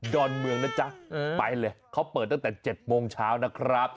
อนเมืองนะจ๊ะไปเลยเขาเปิดตั้งแต่๗โมงเช้านะครับ